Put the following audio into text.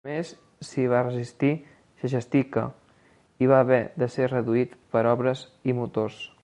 Només s'hi va resistir "Segestica", i va haver de ser "reduït per obres i motors".